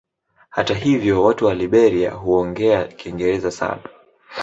Hata hivyo watu wa Liberia huongea Kiingereza sana.